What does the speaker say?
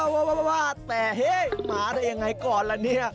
แต่เนี่ยหนาได้ยังไงก่อนละเนี่ย